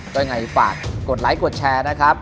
ก็อย่างไรอยู่ปากกดไลค์กดแชร์นะครับ